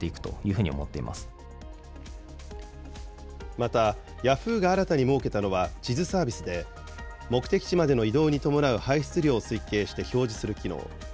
また、ヤフーが新たに設けたのは地図サービスで、目的地までの移動に伴う排出量を推計して表示する機能。